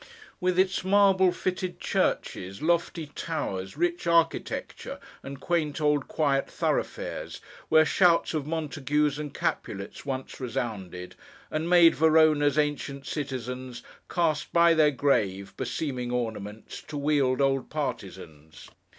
With its marble fitted churches, lofty towers, rich architecture, and quaint old quiet thoroughfares, where shouts of Montagues and Capulets once resounded, And made Verona's ancient citizens Cast by their grave, beseeming ornaments, To wield old partizans.